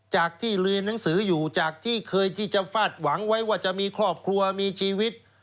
จากที่เรียนหนังสืออยู่จากที่เคยที่จะฟาดหวังไว้ว่าจะมีครอบครัวมีชีวิต